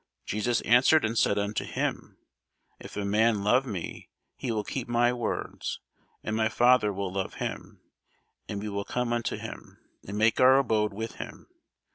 Jesus answered and said unto him, If a man love me, he will keep my words: and my Father will love him, and we will come unto him, and make our abode with him.